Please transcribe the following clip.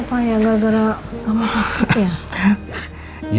apa ya gara gara kamu sakit ya